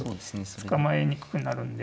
捕まえにくくなるんで。